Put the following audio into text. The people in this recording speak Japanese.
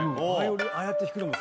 ああやって弾くのも